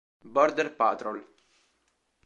Border Patrol